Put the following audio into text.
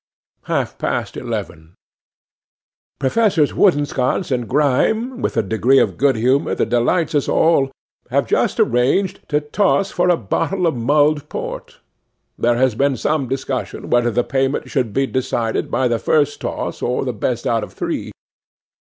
'Half past eleven. 'PROFESSORS Woodensconce and Grime, with a degree of good humour that delights us all, have just arranged to toss for a bottle of mulled port. There has been some discussion whether the payment should be decided by the first toss or the best out of three.